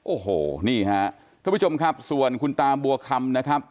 โอ้โหนี่ฮะทุกผู้ชมครับส่วนคุณตาบัวคำนะครับ